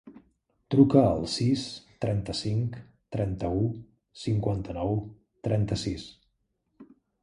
Truca al sis, trenta-cinc, trenta-u, cinquanta-nou, trenta-sis.